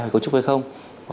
hồi cơ chứa